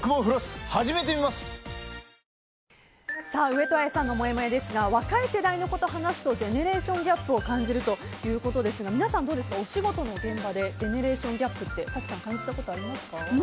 上戸彩さんのもやもやですが若い世代の子と話すとジェネレーションギャップを感じるということですが皆さんどうですかお仕事の現場でジェネレーションギャップって早紀さん、感じたことありますか。